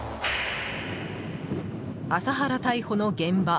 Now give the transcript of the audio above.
麻原逮捕の現場